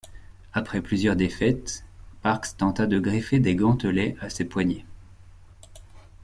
Après plusieurs défaites, Parks tenta de greffer les gantelets à ses poignets.